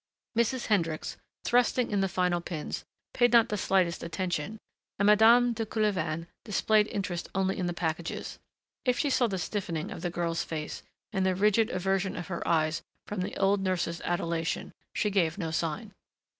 Mrs. Hendricks, thrusting in the final pins, paid not the slightest attention and Madame de Coulevain displayed interest only in the packages. If she saw the stiffening of the girl's face and the rigid aversion of her eyes from the old nurse's adulation she gave no sign.